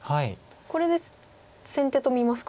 これで先手と見ますか？